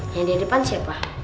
yang di depan siapa